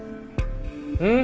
うん？